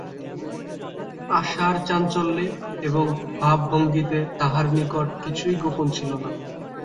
আশার চাঞ্চল্যে এবং ভাবভঙ্গিতে তাহার নিকট কিছুই গোপন ছিল না।